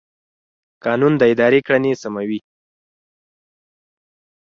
قانون د ادارې کړنې سموي.